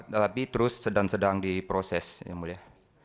tapi terus sedang sedang diproses yang mulia